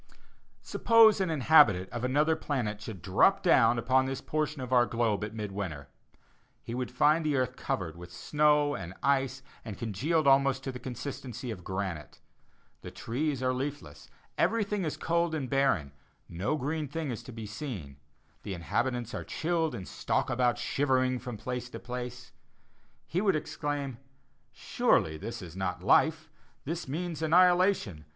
Suppose an inhabitant of another planet should drop down upon this portion of our globe at mid winter. He would find the earth covered with snow and ice and congealed almost to the consistency of granite. The trees are leafless, everything is cold and barren; no green thing is to be seen; the inhabitants are chilled, and stalk about shivering, from place to place; he would exclaim, "Surely this is not life; this means annihilation.